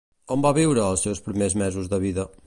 On va viure els seus primers mesos de vida?